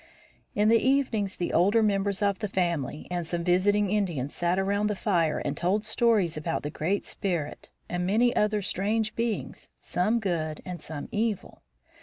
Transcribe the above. ] In the evenings the older members of the family and some visiting Indians sat around the fire and told stones about the Great Spirit and many other strange beings, some good and some evil.